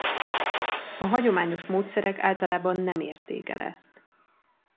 A hagyományos módszerek általában nem érték el ezt.